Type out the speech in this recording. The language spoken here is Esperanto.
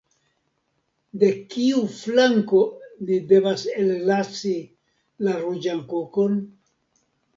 De kiu flanko ni devas ellasi la ruĝan kokon?